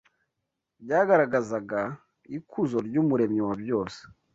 byagaragazaga ikuzo ry’Umuremyi wabyose